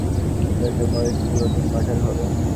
ছেলেটার বয়স ষোলো কিংবা আঠারো হবে।